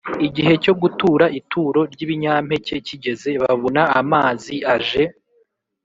Igihe cyo gutura ituro ry’ibinyampeke kigeze, babona amazi aje